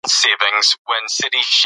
ساینس پوهانو د زړه د ناروغیو درمل وموندل.